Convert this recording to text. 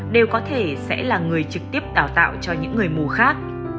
đều có thể sẽ là người trực tiếp đào tạo cho những người mù khác